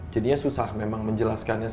jadinya susah memang menjelaskan